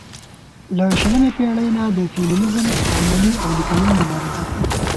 له شلمې پېړۍ نه د فيمينزم عملي او ليکنۍ مبارزه